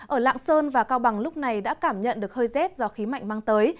ở lạng sơn và cao bằng lúc này đã cảm nhận được hơi rét do khí mạnh mang tới